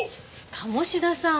鴨志田さん。